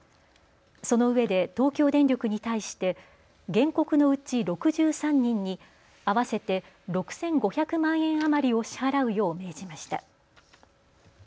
そのうえで東京電力に対して原告のうち６３人に合わせて６５００万円余りを支払うよう命じました。